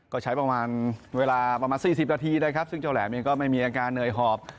ก็ใช้ประมาณเวลาประมาณ๔๐นาทีนะครับซึ่งเจ้าแหลมเองก็ไม่มีอาการเหนื่อยหอบ